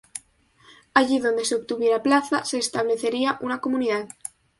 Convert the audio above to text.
Allí donde se obtuviera plaza, se establecería una comunidad.